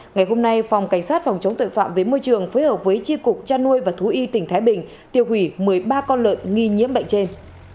ngày hôm nay phòng cảnh sát phòng chống tội phạm với môi trường phối hợp với tri cục trăn nuôi và thú y tỉnh thái bình tiêu hủy một mươi ba con lợn nghi nhiễm bệnh trên